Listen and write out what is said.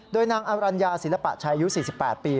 โดยนางอรัญญาศิลปะชัยอายุ๔๘ปี